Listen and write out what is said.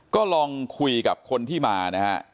ก็ลองคุยกับคนที่มานะฮะ